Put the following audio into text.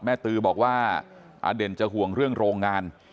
ตือบอกว่าอเด่นจะห่วงเรื่องโรงงาน